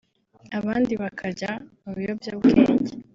abandi bakajya mu biyobyabwenge